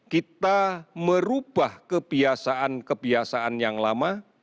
kita merubah kebiasaan kebiasaan yang lama